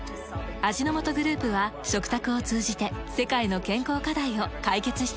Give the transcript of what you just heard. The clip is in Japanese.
味の素グループは食卓を通じて世界の健康課題を解決していきます。